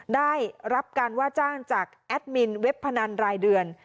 ได้รับการว่าจ้างจากแอดมินเว็บพนันรายเดือน